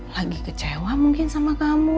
lagi kecewa mungkin sama kamu